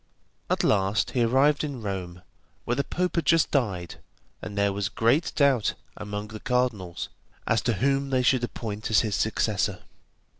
At last he arrived in Rome, where the Pope had just died, and there was great doubt among the cardinals as to whom they should appoint as his successor.